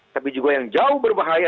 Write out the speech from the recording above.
tapi juga yang jauh berbahaya